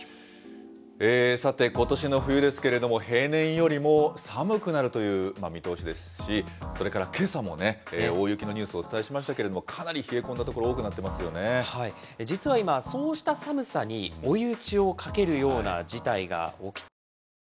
さて、ことしの冬ですけれども、平年よりも寒くなるという見通しですし、それからけさもね、大雪のニュースお伝えしましたけれども、かなり冷え込んだ所、実は今、そうした寒さに追い打ちをかけるような事態が起きているんです。